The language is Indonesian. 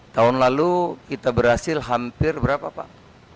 tahun lalu kita berhasil hampir berapa pak